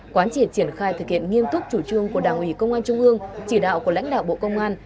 quán triển khai thực hiện nghiêm túc chủ trương của đảng ủy công an trung ương chỉ đạo của lãnh đạo bộ công an